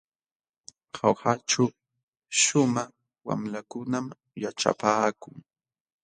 Jaujaćhu shumaq wamlakunam yaćhapaakun.